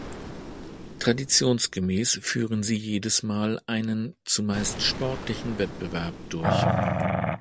Traditionsgemäß führen sie jedes Mal einen zumeist sportlichen Wettbewerb durch.